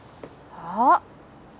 あっ！